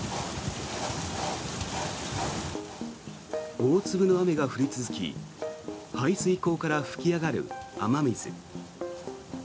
大粒の雨が降り続き排水溝から噴き上がる雨水。